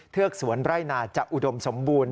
กสวนไร่นาจะอุดมสมบูรณ